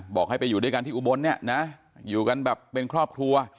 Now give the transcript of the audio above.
บอกให้ไปอยู่ด้วยกันที่อุบลเนี่ยนะอยู่กันแบบเป็นครอบครัว